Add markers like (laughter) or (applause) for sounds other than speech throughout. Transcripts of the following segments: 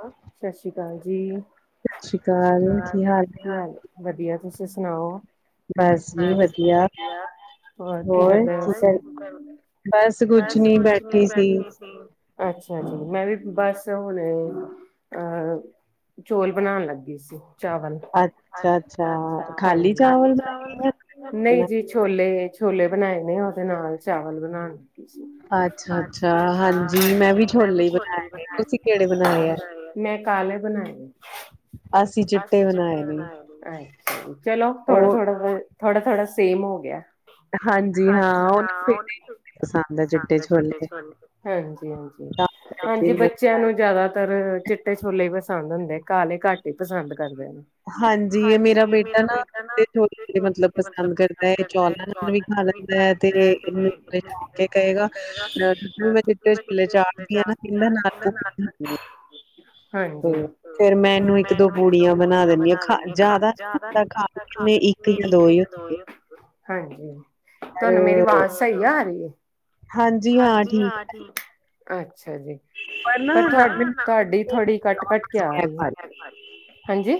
Hello, ਸਤਿ ਸ਼੍ਰੀ ਅਕਾਲ ਜੀ ਸਤਿ ਸ਼੍ਰੀ ਅਕਾਲ, ਵਧੀਆ ਤੁਸੀਂ ਸੁਣਾਓ। ਬਸ ਜੀ ਵਧੀਆ, ਹੋਰ ਕੀ ਕਰਦੇ ਹੋ ਤੁਸੀਂ? ਬਸ ਕੁਛ ਨੀ ਬੈਠੀ ਸੀ। ਅੱਛਾ ਜੀ ਮੈਂ ਵੀ ਬਸ ਹੁਣੇ ਅਹ ਚੋਲ ਬਣਾਉਣ ਲੱਗੀ ਸੀ ਚਾਵਲ। ਅੱਛਾ-ਅੱਛਾ, ਹਾਂਜੀ, ਖਾਲੀ ਚਾਵਲ ਨਹੀਂ ਜੀ, ਛੋਲੇ ਛੋਲੇ ਬਣਾਏ ਨੇ ਉਹਦੇ ਨਾਲ ਚਾਵਲ ਬਣਾਉਣ। ਅੱਛਾ-ਅੱਛਾ, ਹਾਂਜੀ, ਮੈਂ ਵੀ ਛੋਲੇ ਬਣਾਇਆ ਨੇ ਤੁਸੀਂ ਕਿਹੜੇ ਬਣਾਏ ਆ? ਮੈਂ ਕਾਲੇ ਬਣਾਏ ਨੇ।, ਅਸੀਂ ਚਿੱਟੇ ਅੱਛਾ ਜੀ, ਚਲੋ ਥੋੜਾ, ਥੋੜਾ, ਥੋੜਾ, ਥੋੜਾ, ਸੇਮ ਹੋ ਗਿਆ। ਹਾਂਜੀ ਹਾਂ, ਉਹ ਨਾ ਬੇਟੇ ਨੇ ਪਸੰਦ ਹੈ ਚਿੱਟੇ ਚੋਲੇ ਹਾਂਜੀ, ਹਾਂਜੀ, ਹਾਂਜੀ ਬੱਚਿਆਂ ਨੂੰ ਜ਼ਿਆਦਾਤਰ ਚਿੱਟੇ ਛੋਲੇ ਹੀ ਪਸੰਦ ਹੁੰਦੇ ਕਾਲੇ ਘੱਟ ਹੀ ਪਸੰਦ ਕਰਦੇ ਹਨ। ਹਾਂਜੀ, ਇਹ ਮੇਰਾ ਬੇਟਾ ਨਾ ਚਿੱਟੇ ਛੋਲੇ ਮਤਲਬ ਪਸੰਦ ਕਰਦਾ ਹੈ ਚੌਲਾਂ ਨਾਲ ਵੀ। ਖਾ ਲੈਂਦਾ ਹੈ ਤੇ ਇਹਨੂੰ ਕਹੇਗਾ ਜਦੋਂ ਮੈਂ ਚਿੱਟੇ ਛੋਲੇ ਚਾੜਦੀ ਨਾ। ਤੇ ਫੇਰ ਮੈਂ ਇਹਨੂੰ ਇੱਕ ਦੋ ਪੂੜੀਆਂ ਬਣਾ ਦਿੰਦੀ ਹਾਂ ਖਾ ਜ਼ਿਆਦਾ ਨਹੀਂ ਖਾਂਦਾ ਖਾਣੀ ਇਹਨੇ ਇੱਕ ਜਾਂ ਦੋ ਹੀ ਹੁੰਦੇ ਆ। ਹਾਂਜੀ, ਤੁਹਾਨੂੰ ਮੇਰੀ ਆਵਾਜ਼ ਸਹੀ ਆ ਆ ਰਹੀ ਹੈ, ਹਾਂਜੀ ਹਾਂ ਅੱਛਾ ਜੀ। ਤੁਹਾ ਤੁਹਾਡੀ ਥੋੜ੍ਹੀ ਕੱਟ ਕੱਟ ਕੇ ਆ ਰਹੀ ਹੈ, ਹਾਂਜੀ,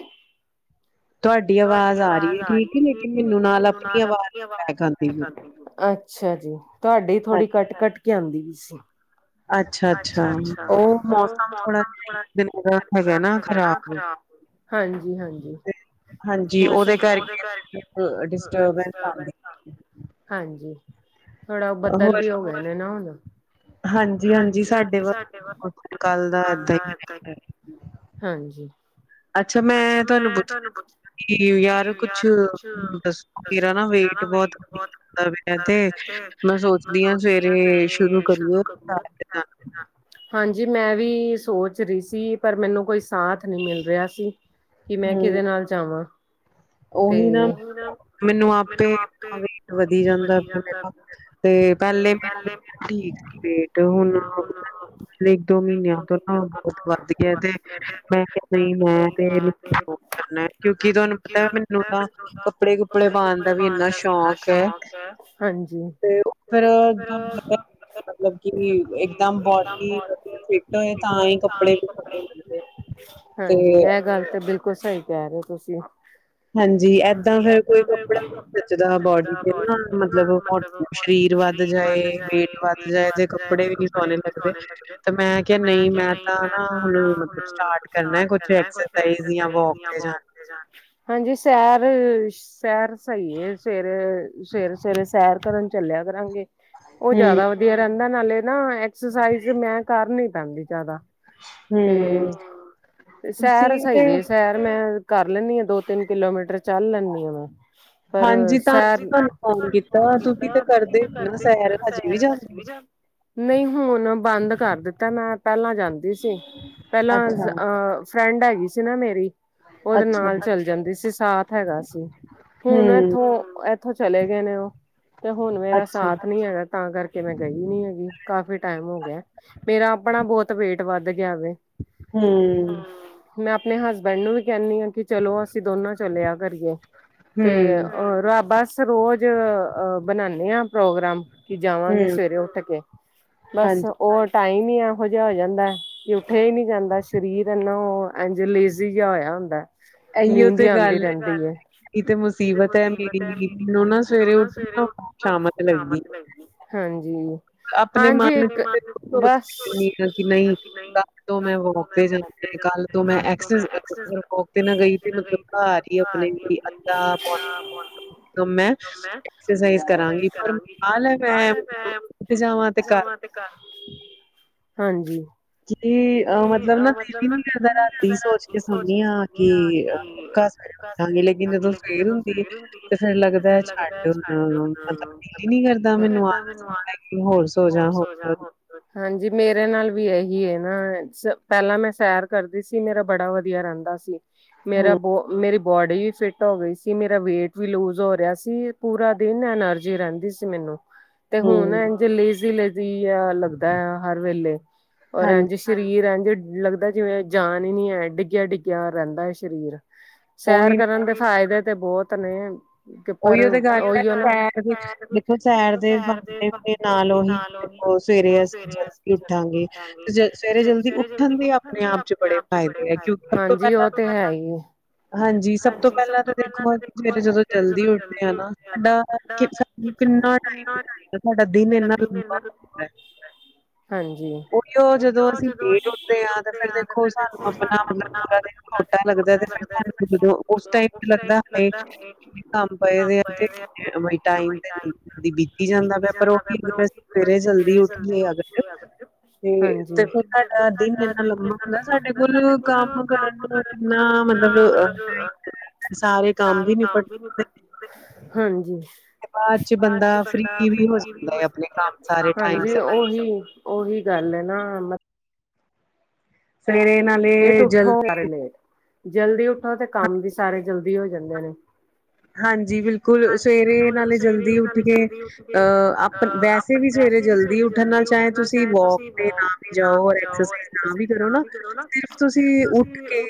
ਤੁਹਾਡੀ ਆਵਾਜ਼ ਆ ਰਹੀ ਠੀਕ ਲੇਕਿਨ ਮੈਨੂੰ ਨਾਲ ਆਪਣੀ ਆਵਾਜ਼ ਦੀ ਅੱਛਾ ਜੀ, ਤੁਹਾਡੀੇ ਥੋੜ੍ਹੀ ਕੱਟ ਕੱਟ ਕੇ ਆਉਂਦੀ ਵੀ ਸੀ। ਅੱਛਾ-ਅੱਛਾ, ਉਹ ਮੌਸਮ ਥੋੜਾ ਹੈਗਾ ਨਾ ਖ਼ਰਾਬ। ਹਾਂਜੀ-ਹਾਂਜੀ। ਹਾਂਜੀ, ਉਹਦੇ ਕਰਕੇ ਡਿਸਟਰਬੈਂਸ ਆਉਂਦੇ ਹਾਂਜੀ, ਥੋੜਾ ਉਹ ਬੱਦਲ ਵੀ ਹੋ ਗਏ ਨੇ ਨਾ ਹੁਣ, ਹਾਂਜੀ, ਹਾਂਜੀ, ਸਾਡੇ ਵੱਲ ਕੱਲ ਦਾ ਏਦਾਂ ਹੀ ਹਾਂਜੀ। ਅੱਛਾ, ਮੈਂ ਤੁਹਾਨੂੰ ਪੁੱਛਣਾ? ਯਾਰ ਕੁਛ ਦੱਸੋ ਮੇਰਾ ਨਾ ਵੇਟ ਬਹੁਤ ਵੱਧਦਾ ਪਿਆ ਤੇ ਮੈਂ ਸੋਚਦੀ ਹਾਂ ਸਵੇਰੇ ਸ਼ੁਰੂ ਕਰੀਏ ਹਾਂਜੀ, ਮੈਂ ਵੀ ਸੋਚ ਰਹੀ ਸੀ ਪਰ ਮੈਨੂੰ ਕੋਈ ਸਾਥ ਨਹੀਂ ਮਿਲ ਰਿਹਾ ਸੀ। ਕਿ ਮੈਂ ਕਿਦੇ ਨਾਲ ਜਾਵਾਂ। ਉਹੀ ਨਾ ਮੈਨੂੰ ਆਪੇ ਵੇਟ ਵਧੀ ਜਾਂਦਾ ਤੇ ਪਹਿਲੇ ਮੇਰਾ ਠੀਕ ਸੀ ਵੇਟ ਹੁਣ, ਪਿਛਲੇ ਇੱਕ ਦੋ ਮਹੀਨਿਆਂ ਤੋਂ ਉਹ ਬਹੁਤ ਵੱਧ ਗਿਆ ਤੇ ਮੈਂ ਕਿੰਹਦੀ ਮੈਂ ਤੇ ਉਹ ਕਰਨਾ ਕਿਉਂਕਿ ਤੁਹਾਨੂੰ ਪਤਾ ਮੈਨੂੰ ਨਾ ਕੱਪੜੇ ਕੁਪੜੇ ਪਾਉਣ ਦਾ ਵੀ ਇੰਨਾ ਸ਼ੌਕ ਹੈ, ਤੇ ਫਿਰ ਮਤਲਬ ਕਿ ਇੱਕਦਮ ਬੋਡੀ ਫਿਰ ਤਾਹੀ ਕੱਪੜੇ, ਹਾਂਜੀ ਹੈ ਗੱਲ ਤੇ ਬਿਲਕੁਲ ਸਹੀ ਕਹਿ ਰਹੇ ਹੋ ਤੁਸੀਂ। ਹਾਂਜੀ, ਏਦਾਂ ਫੇਰ ਕੋਈ ਕੱਪੜਾ ਵੀ ਜੱਚਦਾ ਬੋਡੀ ਤੇ ਨਾ ਮਤਲਬ ਸਰੀਰ ਵੱਧ ਜਾਏ ਵੇਟ ਵੱਧ ਜਾਏ ਤੇ ਕੱਪੜੇ ਵੀ ਨੀ ਸੋਹਣੇ ਲੱਗਦੇ। ਤੇ ਮੈਂ ਕਿਹਾ ਨਹੀਂ ਮੈਂ ਤਾਂ ਨਾ ਹੁਣ ਮਤਲਬ ਸਟਾਰਟ ਕਰਨਾ ਕਝ ਜਾਂ ਵੋਕ ਤੇ ਹਾਂਜੀ, ਸੈਰ, ਸੈਰ ਸਹੀ ਸਵੇਰ ਸਰ ਸਵੇਰੇ ਸੈਰ ਕਰਨ ਚੱਲਿਆ ਕਰਾਂਗੇ ਉਹ ਜ਼ਿਆਦਾ ਵਧੀਆ ਰਹਿੰਦਾ ਨਾਲੇ। ਨਾ ਐਕਸਰਸਾਈਜ਼ ਮੈਂ ਕਰ ਨੀ ਪੈਂਦੀ ਜਿਆਦਾ। ਹੂੰ। ਸੈਰ ਸਹੀ ਏ ਸੈਰ ਮੈਂ ਕਰ ਲੈਦੀ ਆ ਦੋ ਤਿੰਨ ਕਿਲੋਮੀਟਰ ਚੱਲ ਲੈਂਦੀ ਆ ਮੈਂ। ਪਰ ਸੈਰ (unintelligible) ਨਈ ਹੁਨ ਬਾੰਦ ਕਾੱਰ ਦਿੱਤਾ ਮੈਂ ਪੈਲਾਂ ਜਾਂਦੀ ਸੀ, ਪੈਲਾਂ ਅ (unintelligible) ਹੈਗੀ ਸੀ ਨਾ ਮੇਰੀ ਓਦੇ ਨਾਲ ਚੱਲ ਜਾਂਦੀ ਸੀ ਸਾਥ ਹੈਗਾ ਸੀ, ਹੁਨ ਐਥੋਂ ਓ ਐਥੋਂ ਚਲੇ ਗਏ ਨੇ ਓ, ਤੇ ਹੁਨ ਮੇਰਾ ਸਾਥ ਨੀ ਹੈਗਾ। ਤਾਂ ਕਾਰਕੇ ਮੈਂ ਗਈ ਨੀ ਹੈਗੀ ਕਾਫੀ ਟਾਈਮ ਹੋਗੇਆ ਮੇਰਾ ਆਪਣਾ ਬੋਤ ਵੇਟ ਵੱਦ ਗੇਆ ਵੇ ਹੂੰ। ਮੈਂ ਆਪਨੇ ਹਸਬੈਂਡ ਨੂੰ ਵੀ ਕੈਨੀ ਆਂ ਕਿ ਚਲੋ ਅਸੀ ਦੋਨੋ ਚੱਲੇਆ ਕਰੀਏ, ਤੇ ਰਾ ਬਾੱਸ ਅ ਰੋਜ਼ ਅ ਬਨਾਨੇ ਆਂ ਪ੍ਰੋਗਰਾਮ ਕਿ ਜਾਵਾਂਗੇ ਸਵੇਰੇ ਉੱਠ ਕੇ, ਬਸ ਓ ਟਾਈਮ ਐਹੋ ਜਾ ਹੋ ਜਾਂਦਾ, ਕੀ ਉੱਠੇਆ ਈ ਨੀ ਜਾਂਦਾ ਸ਼ਰੀਰ (unintelligible) ਓ ਏਂਜ ਲੇਜੀ਼ ਜਾ ਹੋਏਆ ਹੁੰਦਾ, ਨੀਂਦ ਈ ਆਂਦੀ ਰੈੰਦੀ ਐ। ਏਹੀ ਤੇ ਮੁਸੀਬਤ ਐ ਮੇਰੀ (unintelligible) ਮੈਨੂੰ ਨਾ ਸਵੇਰੇ ਉੱਠੋ ਸ਼ਾਮਤ ਲੱਗਦੀ। ਹਾਂਜੀ। ਆਪਨੇ ਮਾਨ (unintelligible) ਨਈ ਕਾੱਲ ਤੋਂ ਮੈਂ ਵੋਕ ਤੇ ਜਾਨਾ ਕਾੱਲ ਤੋ ਮੈਂ ਐਸਸ (unintelligible) ਵੋਕ ਤੇ ਨਾਲ ਗਈ ਤੇ ਮਤਲਬ ਘਾੱਰ ਈ ਆਪਨੇ (unintelligible) ਤੇ ਜਾਵਾਂ, ਤੇ ਘਾੱਥ ਤੇ ਘਾੱਰ, ਹਾਂਜੀ। ਜਿਵੇਂ ਅ ਮਤਲਬ ਨਾ ਦੇਲ ਈ ਨੀ ਕਰਦਾ, ਰਾਤੀ ਸੋਚ ਕੇ ਸੋਨੀ ਆਂ ਕਿ ਅ ਸਵੇਰੇ ਉਠਾਂਗੇ ਲੇਕਿਨ ਜਦੋਂ ਸਵੇਰ ਹੁੰਦੀ ਤੇ ਫੇਰ ਲੱਗਦਾ ਛਾੱਡ ਹੁਨ ਦੇਲ ਏ ਨੀ ਕਰਦਾ ਮੈਨੂੰ ਆਲਸ (unintelligible) ਹੋਰ ਸੋਜਾਂ, ਹੋਰ ਸੋ ਹਾਂਜੀ, ਮੇਰੇ ਨਾਲ ਵੀ ਐਹੀ ਏ। (unintelligible) ਪੈਲਾਂ ਮੈਂ ਸੈਰ ਕਰਦੀ ਸੀ ਮੇਰਾ ਬੜਾ ਵਦੀਆ ਰੈਂਦਾ ਸੀ, ਮੇਰਾ ਬੋ ਮੇਰੀ ਬੋਡੀ ਵੀ ਫਿਟ ਹੋ ਗਈ ਸੀ। ਮੇਰਾ ਵੇਟ ਵੀ ਲੂਜ ਹੋ ਰੇਆ ਸੀ, ਪੂਰਾ ਦੇਨ ਐਨਰ ਜੀ ਰੈਂਦੀ ਸੀ ਮੀਨੂੰ (inaudible) ਤੇ ਹੁਨ ਐਂਜ ਲੇਜ਼ੀ, ਲੇਜ਼ੀ ਆ ਲੱਗਦਾ ਆ ਹਰ ਵੇਲੇ, ਓਰ ਐਂਜ ਸ਼ਰੀਰ ਐਂਜ ਲੱਗਦਾ ਜਿਵੇਂ ਜਾਨ ਈ ਨੀ ਐ। ਡਿੱਗਆ, ਡਿੱਗਆ ਰੈਂਦਾ ਏ ਸ਼ਰੀਰ ਸੈਰ ਕਰਨ ਦੇ ਫਾਏਦੇ ਤੇ ਬੋਤ ਨੇ। ਓਈਓ ਤੇ ਗਾੱਲ ਐ, ਸੈਰ ਦੇ ਦੇਖੋ ਸੈਰ ਦੇ (unintelligible) ਨਾਲ ਓਹੀ ਹੋਰ ਸਵੇਰੇ ਅਸੀ ਜਲਦੀ ਉਠਾਂਗੇ (unintelligible) ਸਵੇਰੇ ਜਲਦੀ ਉਠਨ ਵੀ ਆਪਨੇ ਆਪ ਚ ਬੜੇ ਫ਼ਾਏਦੇ ਐ, ਕਯੋਂਕਿ ਸਭ ਤੋ ਪੈਲਾਂ ਹਾਂਜੀ, ਸਭ ਤੋ ਪੈਲਾਂ ਤਾਂ ਦੇਖੋ, ਕਿ ਸਵੇਰੇ ਜਦੋ ਜਲਦੀ ਉਠਦੇ ਆ‌ ਨਾ ਸਾਡਾ (unintelligible) ਸਾਨੂੰ ਕਿੰਨਾ ਟਈਮ (unintelligible) ਸਾਡਾ ਦਿਨ ਇੰਨਾ ਲੰਬਾ ਹੁਂਦਾ। (inaudible) ਹਾਂਜੀ। ਓਈਓ ਜਦੋਂ ਅਸੀ ਲੇਟ ਉੱਠਦੇ ਆ, ਤੇ ਫੇਰ ਦੇਖੋ ਸਾਨੂੰ ਆਪਨਾ ਮਤਲਬ ਪੂਰਾ ਦੇਨ ਪੈ ਲੱਗਦਾ ਤੇ ਫੇਰ ਸਾਨੂੰ ਜਦੋਂ ਓਸ ਟਾਈਮ ਤੇ ਲੱਗਦਾ ਹਾਏ ਕਾੰਮ ਪਏ ਵੇ ਆ ਤੇ (unintelligible) ਟਾਈਮ ਤੇ ਬੀਤੀ ਜਾਂਦਾ ਪੇਆ ਪਰ ਓ (unintelligible) ਪਰ ਸਵੇਰੇ ਜਲਦੀ ਉੱਠਨੀ ਆਂ (unintelligible) ਹਾਂਜੀ। ਤੇ ਫੇਰ ਸਾਡਾ ਦਿਨ ਇੰਨਾ ਲੰਬਾ ਹੁੰਦਾ, ਸਾਡੇ ਕੋਲ ਕੰਮ ਕਰਨ ਕਿੰਨਾ ਮਤਲਬ ਟਾਈਮ ਸਾਰੇ ਕੰਮ ਵੀ ਨੀਪਟ (unintelligible) ਹਾਂਜੀ। ਬਾਦ ਚ ਬੰਦਾ ਫ੍ਰੀ ਵੀ ਹੋ ਸਕਦਾ ਆਪਨੀ (unintelligible) ਹਾਂਜੀ, ਓਹੀ ਓਹੀ ਗਾੱਲ ਏ ਨਾ ਮਤ ਸਵੇਰੇ ਨਾਲੇ ਲੇਟ ਉੱਠੋ ਸਾਰੇ ਲੇਟ, ਜਲਦੀ ਉੱਠੋ ਤੇ ਕੰਮ ਵੀ ਸਾਰੇ ਜਲਦੀ ਹੋ ਜਾਂਦੇ ਨੇ। ਹਾਂਜੀ ਬਿਲਕੁਲ, ਸਵੇਰੇ ਨਾਲੇ ਜਲਦੀ ਉੱਠ ਕੇ ਅ ਆਪ ਵੈਸ ਤੇ ਵੀ ਸਵੇਰੇ ਜਲਦੀ ਉੱਠਨ ਨਾਲ ਚਾਏ ਤੁਸੀ ਵੋਕ ਤੇ ਨਾ ਵੀ ਜਾਓ, ਓਰ ਐਕਸਾ ਸਾਈਜ਼ ਨਾ ਵੀ ਕਰੋ ਨਾ ਸਿਰਫ ਤੁਸੀਂ ਉੱਠ ਕੇ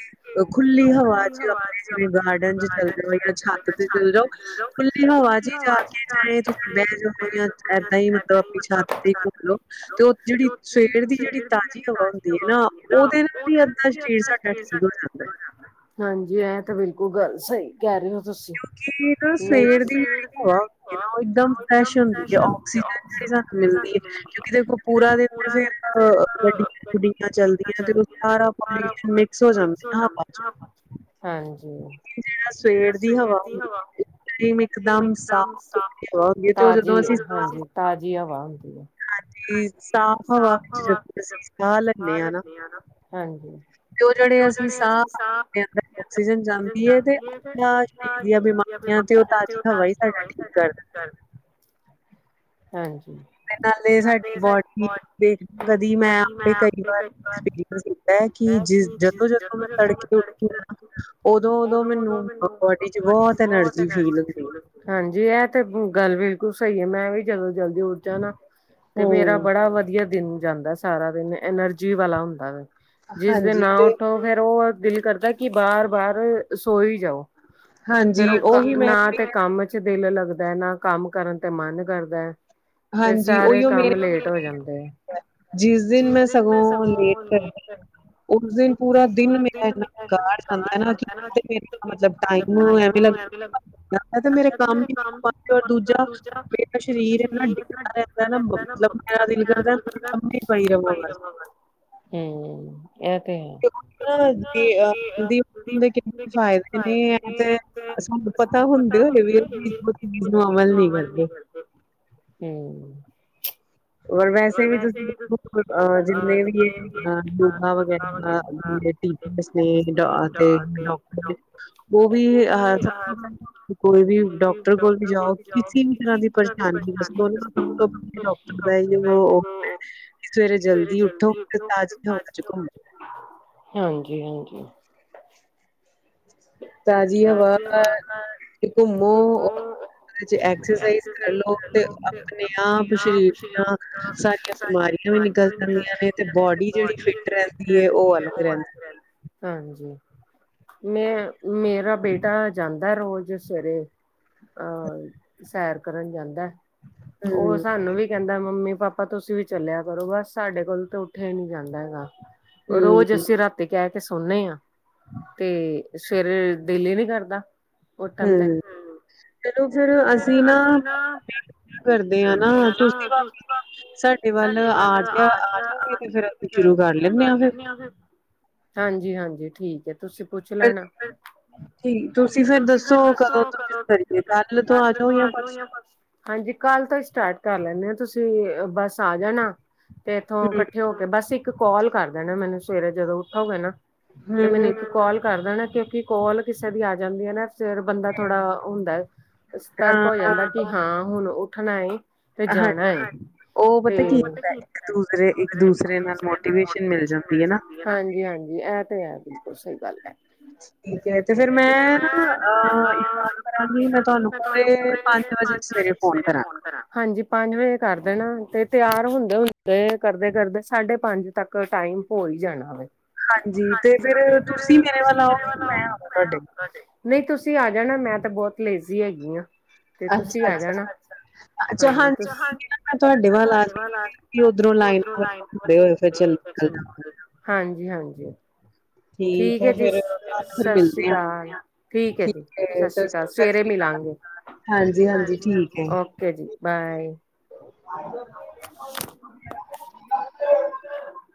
ਖੁੱਲੀ ਹਵਾ ਚ ਆਪਣੇ ਜਿਵੇਂ ਗਾਰਡਨ ਚ ਚੱਲਦੇ ਹੋ ਜਾਂ ਛਾ ਤੇ ਚੱਲ ਜਾਓ ਖੁੱਲੀ ਹਵਾ ਜੀ ਜਾ ਕੇ ਧੁੱਪੇ ਬਹਿ ਜਾਓ ਜਾਂ ਇੱਦਾਂ ਹੀ ਮਤਲਬ ਆਪਣੀ ਛਾਤੀ ਇੱਥੇ ਹੀ ਘੁੰਮ ਲੋ ਤੇ ਉਹ ਜਿਹੜੀ ਸਵੇਰ ਦੀ ਜਿਹੜੀ ਤਾਜ਼ੀ ਹਵਾ ਹੁੰਦੀ ਹੈ ਨਾ ਉਹਦੇ ਵੀ ਅੱਦਾਂ ਸਰੀਰ ਸਾਡਾ ਠੀਕ ਹੋ ਜਾਂਦਾ ਹੈ। ਹਾਂਜੀ ਐ ਤਾਂ ਬਿਲਕੁਲ ਗੱਲ ਸਹੀ ਕਹਿ ਰਹੇ ਹੋ ਤੁਸੀਂ ਕਿ ਨਾ ਸਵੇਰ ਦੀ ਜਿਹੜੀ ਹਵਾ ਹੁੰਦੀ ਹੈ ਨਾ ਉਹ ਇੱਕਦਮ ਫਰੈਸ਼ ਹੁੰਦੀ ਹੈ ਆਕਸੀਜਨ ਜਿਹੜੀ ਸਾਨੂੰ ਮਿਲਦੀ ਹੈ। ਕਿਉਂਕਿ ਦੇਖੋ ਪੂਰਾ ਦਿਨ ਫਿਰ ਗੱਡੀਆਂ ਗੁੱਡੀਆਂ ਚਲਦੀਆਂ ਤੇ ਸਾਰਾ ਪਾਣੀ ਮਿਕਸ ਹੋ ਜਾਂਦਾ ਹਵਾ ਚ ਹਾਂਜੀ ਜਿਹੜਾ ਸਵੇਰ ਦੀ ਹਵਾ ਇੱਕ ਦਮ ਸਾਫ ਤਾਜ਼ੀ ਤਾਜ਼ੀ ਹਵਾ ਹੁੰਦੀ ਆ ਹਾਂਜੀ ਸਾਫ਼ ਹਵਾ ਵਿੱਚ ਜ ਅਸੀਂ ਸਾਹ ਲੈਂਦੇ ਹਾਂ ਨਾ ਹਾਂਜੀ ਤੇ ਉਹ ਜਿਹੜੇ ਅਸੀਂ ਸਾਹ ਅ ਆਕਸੀਜਨ ਜਾਂਦੀ ਹੈ ਤੇ ਦੀਆਂ ਬਿਮਾਰੀਆਂ ਤੇ ਉਹ ਤਾਜ਼ੀ ਹਵਾ ਹੀ ਸਾਡਾ ਠੀਕ ਕਰਦਾ ਕਰਦੇ ਹਾਂਜੀ ਮੈਂ ਨਾਲੇ ਸਾਡੀ ਬਡੀ ਦੇਖ ਕਦੀ ਮੈਂ ਆਪੇ ਕਈ ਵਾਰ ਕੀਤਾ ਸੀ। ਇਹ ਕਿ ਜਿਸ ਜਦੋਂ ਜਦੋਂ ਮੈਂ ਤੜਕੇ ਉੱਠ ਆ ਉਦੋਂ ਉਦੋਂ ਮੈਨੂੰ ਬੋਡੀ ਚ ਬਹੁਤ ਐਨਰਜੀ ਫੀਲ ਹੁੰਦੀ ਹੈ। ਹਾਂਜੀ ਇਹ ਤੇ ਗੱਲ ਬਿਲਕੁਲ ਸਹੀ ਹੈ ਮੈਂ ਵੀ ਜਦੋਂ ਜਲਦੀ ਉੱਠ ਜਾ ਨਾ। ਤੇ ਮੇਰਾ ਬੜਾ ਵਧੀਆ ਦਿਨ ਜਾਂਦਾ ਸਾਰਾ ਦਿਨ ਐਨਰਜੀ ਵਾਲਾ ਹੁੰਦਾ ਵੇ। ਜਿਸਦੇ ਨਾ ਉੱਠੋ ਫਿਰ ਉਹ ਦਿਲ ਕਰਦਾ ਕਿ ਬਾਰ-ਬਾਰ ਸੋਈ ਜਾਓ। ਫਿਰ ਉਹ ਕੰਮ ਨਾ ਤੇ। ਕੰਮ ਚ ਦਿਲ ਲੱਗਦਾ ਨਾ ਕੰਮ ਕਰਨ ਤੇ ਮਨ ਕਰਦਾ ਹੈ। ਫਿਰ ਸਾਰੇ ਕੰਮ ਲੇਟ ਹੋ ਜਾਂਦੇ ਆ। ਜਿਸ ਦਿਨ ਮੈਂ ਸਗੋਂ ਲੇਟ ਕਰ। ਉਸ ਦਿਨ ਪੂਰਾ ਦਿਨ ਮੇਰਾ ਇੰਨਾ ਬਕਾਰ ਜਾਂਦਾ ਨਾ ਕਿ ਮੇ ਮਤਲਬ। ਮਤਲਬ ਟਾਈਮ ਐਨਲੱਪ। ਜਾ ਤੇ ਮੇਰਾ ਕੰਮ ਬੰਦ ਕਰ ਦੂਜਾ ਸ਼ਰੀਰ ਹੈ ਨਾ ਡਿੱਗਦਾ ਰਹਿੰਦਾ ਹੈ ਨਾ ਮਤਲਬ ਮੇਰਾ ਦਿਲ ਕਰਦਾ। ਮੇਰਾ ਦਿਲ ਕਰਦਾ ਲੰਮੀ ਪਈ ਰਵਾਂ ਬਸ ਹੂ ਇਹ ਤੇ ਹੈ। (unintelligible) ਸਾਨੂੰ ਪਤਾ ਹੁੰਦੇ ਹੋਏ ਵੀ ਚੀਜ਼ ਨੂੰ ਨੋਰਮਲ ਨਹੀਂ ਕਰਦੇ। ਹੂ,,, ਰ ਵੈਸੇ ਵੀ ਤੁਸੀਂ ਦੇਖੋ ਅ ਜਿੰਨੇ ਵੀ ਯੋਗਾ ਵਗੈਰਾ। ਟੀਚਰਸ ਨੇ ਤੇ ਡਾਕਟਰ ਨੇ ਉਹ ਵੀ ਸਭ ਤੋਂ ਪਹਿਲਾਂ। ਕੋਈ ਵੀ ਡਾਕਟਰ ਕੋਲ ਵੀ ਜਾਓ ਕਿਸੇ ਵੀ ਤਰ੍ਹਾਂ ਦੀ ਪਰੇਸ਼ਾਨੀ ਦੱਸੋ ਸਭ ਤੋਂ ਡਾਕਟਰ ਦਾ। ਤੇ ਉਹ ਸਵੇਰੇ ਜਲਦੀ ਉਠੋ ਫਿਰ ਤਾਜ਼ੀ ਹਵਾ ਚ ਘੁੰਮੋ। ਹਾਂਜੀ-ਹਾਂਜੀ। ਤਾਜ਼ੀ ਹਵਾ। (unintelligible) ਜੇ ਐਕਸਰਸਾਈਜ਼ ਕਰਲੋ ਤੇ ਆਪਣੇ ਆਪ ਸ਼ਰੀਰ ਦੀਆਂ ਸਾਰੀਆਂ। ਸਾਡੀਆਂ ਬਿਮਾਰੀਆਂ ਵੀ ਨਿਕਲ ਜਾਂਦੀਆਂ ਨੇ ਤੇ ਬੋਡੀ ਜਿਹੜੀ ਫਿਟ ਰਹਿੰਦੀ ਹੈ ਉਹ ਅਲਗ ਰਹਿੰਦੀ ਹੈ। ਹਾਂਜੀ ਮੈਂ ਮੇਰਾ ਬੇਟਾ ਜਾਂਦਾ ਰੋਜ਼ ਸਵੇਰੇ। ਅਹ ਸੈਰ ਕਰਨ ਜਾਂਦਾ ਉਹ ਸਾਨੂੰ ਵੀ। ਕਹਿੰਦਾ ਮੰਮੀ ਪਾਪਾ ਤੁਸੀਂ ਵੀ ਚੱਲਿਆ ਕਰੋ ਬਸ ਸਾਡੇ ਕੋਲ ਤਾਂ ਉਠਿਆ ਹੀ ਨਹੀਂ ਜਾਂਦਾ ਹੈਗਾ। ਰੋਜ਼ ਅਸੀਂ ਰਾਤੀ ਕਹਿ ਕੇ ਸੌਦੇ ਹਾਂ ਤੇ ਸਵੇਰੇ ਦਿਲ ਹੀ ਨੀ ਕਰਦਾ, ਉੱਠਣ ਤੇ। ਚਲੋ ਫਿਰ ਅਸੀਂ ਨਾ ਕਰਦੇ ਆ ਨਾ ਤੁਸੀਂ ਭਾਬੀ ਜੀ ਸਾਡੇ ਵੱਲ ਆਜ ਆ ਜਾਓਗੇ ਤੇ ਫਿਰ। ਫਿਰ ਸ਼ੁਰੂ ਕਰ ਲੈਣੇ ਹਾਂ, ਹਾਂਜੀ-ਹਾਂਜੀ, ਠੀਕ ਏ। ਤੁਸੀਂ ਪੁੱਛ ਲੈਣਾ, ਫਿਰ ਤੁਸੀਂ ਫੇਰ ਦੱਸੋ ਕਦੋਂ। ਤੇ ਕੱਲ੍ਹ ਤੋਂ ਆ ਜਾਓ ਜਾਂ ਪਰਸੋਂ। ਹਾਂਜੀ ਕੱਲ ਤੋਂ ਹੀ ਸਟਾਰਟ ਕਰ ਲੈਂਦੇ ਹੋ ਤੁਸੀਂ ਬੱਸ ਆ ਜਾਣਾ। ਤੇ ਇੱਥੋਂ ਇਕੱਠੇ ਹੋ ਕੇ ਬਸ ਇੱਕ ਕੋਲ ਕਰ ਦੇਣਾ ਮੈਨੂੰ ਸਵੇਰੇ ਜਦੋਂ ਉਠੋਗੇ ਨਾ। ਤੇ ਮੈਨੂੰ ਇੱਕ ਕੋਲ। ਕਰ ਦੇਣਾ ਕਿਉਂਕਿ ਕੋਲ ਕਿਸੇ ਦੀ ਆ ਜਾਂਦੀ ਹੈ ਨਾ ਫਿਰ ਬੰਦਾ ਥੋੜਾ ਓ ਹੁੰਦਾ। ਸਤਰਕ ਹੋ ਜਾਂਦਾ ਕਿ ਹਾਂ ਹੁਣ ਉੱਠਣਾ ਏ ਤੇ ਜਾਣਾ ਏ। ਉਹ ਪਤਾ ਕੀ ਹੁੰਦਾ ਇੱਕ ਦੂਸਰੇ ਇੱਕ ਦੂਸਰੇ ਨਾਲ ਮੋਟੀਵੇਸ਼ਨ ਮਿਲ ਜਾਂਦੀ ਹੈ ਨਾ ਉ ਹਾਂਜੀ-ਹਾਂਜੀ ਇਹ ਤੇ ਹੈ, ਬਿਲਕੁਲ ਸਹੀ ਗੱਲ ਹੈ। ਠੀਕ ਹੈ ਤੇ ਫੇਰ ਮੈਂ ਨਾ ਅਹ ਇੱਕ ਕੰਮ ਕਰਾਂਗੀ ਮੈਂ ਤੁਹਾਨੂੰ ਪੂਰੇ ਪੰਜ ਵਜੇ ਸਵੇਰੇ ਫੋਨ ਕਰਾਂ, ਕਰਾ ਹਾਂਜੀ ਪੰਜ ਵਜੇ ਕਰ ਦੇਣਾ ਤੇ ਤਿਆਰ ਹੁੰਦੇ-ਹੁੰਦੇ ਕਰਦੇ-ਕਰਦੇ ਸਾਢੇ ਪੰਜ ਤੱਕ, ਥੋੜ੍ਹਾ ਟਾਈਮ ਹੋ ਹੀ ਜਾਣਾ ਵੇ। ਹਾਂਜੀ, ਤੇ ਫੇਰ ਤੁਸੀਂ ਮੇਰੇ ਵੱਲ ਆਓਗੇ ਮੈਂ ਆਵਾਂ ਤੁਹਾਡੇ। ਨਹੀਂ ਤੁਸੀਂ ਆ ਜਾਣਾ ਮੈਂ ਤਾਂ ਬਹੁਤ ਲੇਜ਼ੀ ਹੈਗੀ ਹਾਂ, ਤੇ ਤੁਸੀਂ ਆ ਜਾਣਾ ਅੱਛਾ-ਅੱਛਾ। (unintelligible) ਕਿ ਓਧਰੋਂ ਲਾਈਨ ਵੱਲੋਂ ਹੁੰਦੇ ਹੋਏ ਫਿਰ ਚਲ ਜਾਵਾਂਗੇ। ਹਾਂਜੀ-ਹਾਂਜੀ। ਠੀਕ ਐ ਫਿਰ, ਫਿਰ ਮਿਲਦੇ ਆ ਠੀਕ ਏ ਸਤਿ ਸ਼੍ਰੀ ਅਕਾਲ। ਹਾਂਜੀ-ਹਾਂਜੀ, ਠੀਕ ਐ। (unintelligible)